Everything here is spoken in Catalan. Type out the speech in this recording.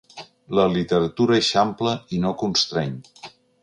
La literatura eixampla i no constreny.